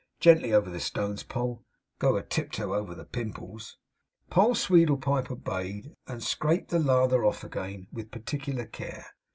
'Gently over the stones, Poll. Go a tip toe over the pimples!' Poll Sweedlepipe obeyed, and scraped the lather off again with particular care.